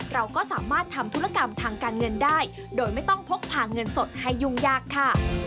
เราก็สามารถทำธุรกรรมทางการเงินได้โดยไม่ต้องพกพาเงินสดให้ยุ่งยากค่ะ